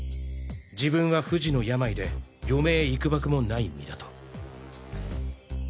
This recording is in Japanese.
自分は不治の病で余命幾許もない身だと。